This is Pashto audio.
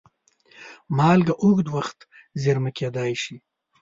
مالګه اوږد وخت زېرمه کېدای شي.